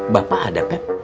bapak ada feb